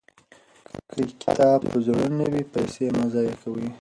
که کتاب په زړه نه وي، پیسې مه ضایع کوئ.